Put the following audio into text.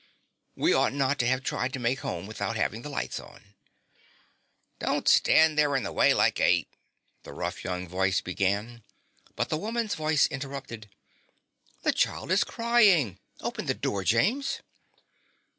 "We ought not to have tried to make home without having the lights on." "Don't stand there in the way like a " the rough, young voice began, but the woman's voice interrupted: "The child is crying! Open the door, James."